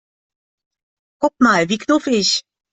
Guck mal, wie knuffig!